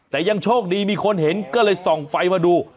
แต่ยังโชคดีมีคนเห็นก็เลยส่องไฟมาดู